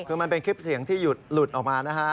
คือมันเป็นคลิปเสียงที่หลุดออกมานะฮะ